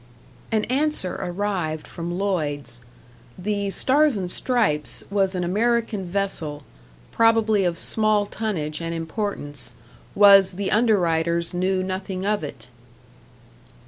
An answer arrived from Lloyd's: the "Stars and Stripes" was an American vessel, probably of small tonnage and importance, was the under writers knew nothing of it.